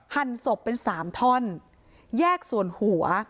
หั่นศพเป็น๓ท่อนแยกส่วนหัว